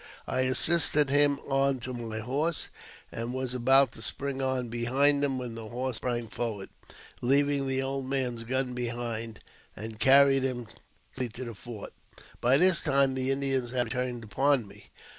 I assisted him on to my horse, and was about to spring on behind him, when the horse sprang forward, leaving the old man's gun behind, and carried him safely to the fort. By this time the Indians had returned upon me.